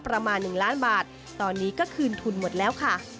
ประมาณ๑ล้านบาทตอนนี้ก็คืนทุนหมดแล้วค่ะ